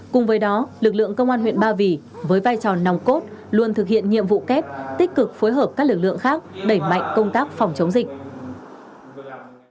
cùng với đó lực lượng công an huyện ba vì với vai trò nòng cốt luôn thực hiện nhiệm vụ kép tích cực phối hợp các lực lượng khác đẩy mạnh công tác phòng chống dịch